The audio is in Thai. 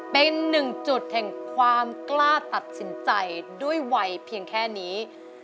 เป็นหนึ่งจุดแห่งความกล้าตัดสินใจด้วยวัยเพียงแค่นี้